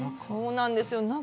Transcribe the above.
そうなんですよ。